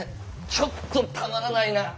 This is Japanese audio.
ちょっとたまらないなぁ。